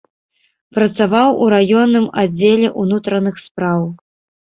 Працаваў у раённым аддзеле ўнутраных спраў.